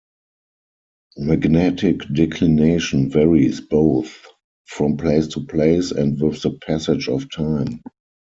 Magnetic declination varies both from place to place and with the passage of time.